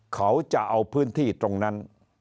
เขาจะเอาพื้นที่ตรงนั้น